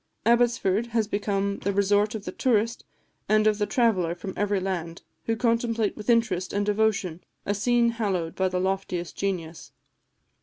Abbotsford has become the resort of the tourist and of the traveller from every land, who contemplate with interest and devotion a scene hallowed by the loftiest genius.